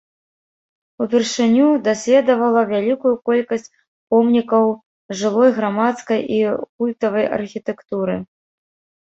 Упершыню даследавала вялікую колькасць помнікаў жылой, грамадскай і культавай архітэктуры.